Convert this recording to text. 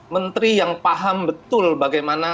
menteri yang paham betul bagaimana